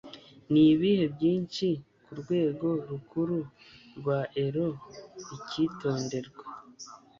Nibihe Byinshi Kurwego Rukuru rwa Euro Icyitonderwa